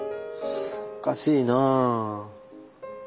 おかしいなあ。